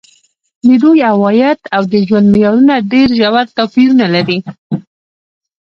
د دوی عواید او د ژوند معیارونه ډېر ژور توپیرونه لري.